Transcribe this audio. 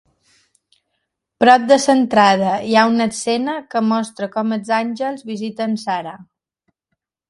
Prop de l'entrada hi ha una escena que mostra com els àngels visiten Sara.